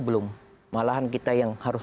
belum malahan kita yang harus